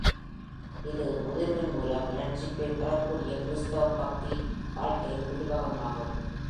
இது முதிர்வின் மூலம் இரட்சிப்பை பெறக்கூடிய கிறிஸ்தவப் பக்தி வாழ்க்கையின் உருவகமாகும்.